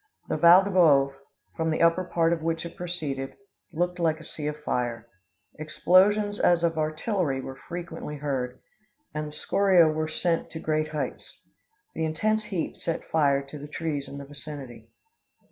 The Val del Bove, from the upper part of which it proceeded, looked like a sea of fire. Explosions as of artillery were frequently heard, and the scoriæ were sent up to great heights." The intense heat set fire to the trees in the vicinity.